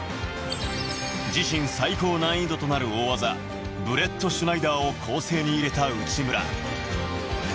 自身最高難易度となる大技ブレットシュナイダーを構成に入れた内村。